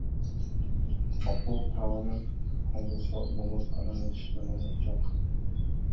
Окуу куралын колдонсо болот, анын эч жаманы жок.